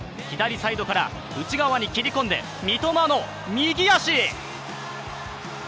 左サイドから内側に切り込んで、三笘の右足。